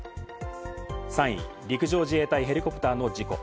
３位、陸上自衛隊ヘリコプターの事故。